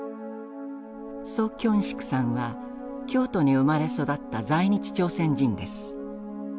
徐京植さんは京都に生まれ育った在日朝鮮人です。